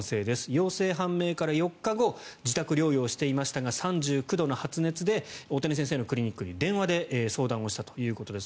陽性判明から４日後自宅療養していましたが３９度の発熱で大谷先生のクリニックに電話で相談をしたということです。